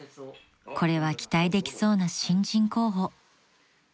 ［これは期待できそうな新人候補］